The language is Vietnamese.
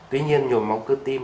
tuy nhiên nhồi máu cơ tim